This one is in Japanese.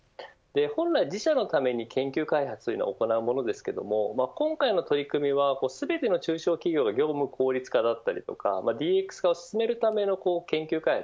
本来自社のために研究開発を行うものですが今回の取り組みは、全ての中小企業の業務効率化であったりＤＸ化を進めるための研究開発